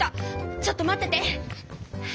ちょっと待ってて！